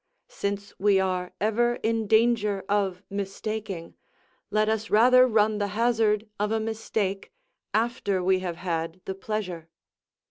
Since we are ever in danger of mistaking, let us rather run the hazard of a mistake, after we have had the pleasure.